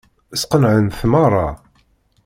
Sqenɛent meṛṛa.